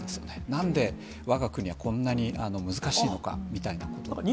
なんでわが国はこんなに難しいのかみたいなこと。